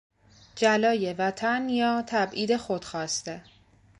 جلای وطن یا تبعید خود خواسته